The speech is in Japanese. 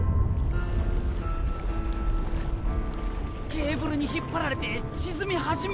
ケーブルに引っ張られて沈み始めた！